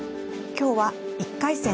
今日は１回戦